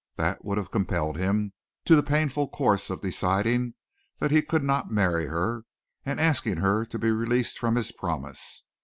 That would have compelled him to the painful course of deciding that he could not marry her, and asking her to be released from his promise.